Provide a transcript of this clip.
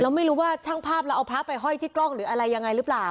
ไม่รู้ว่าช่างภาพเราเอาพระไปห้อยที่กล้องหรืออะไรยังไงหรือเปล่า